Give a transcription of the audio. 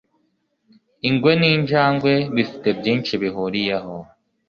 Ingwe n’injangwe bifite byinshi bihuriyeho.